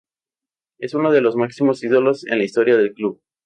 Es uno de los máximos ídolos en la historia del club.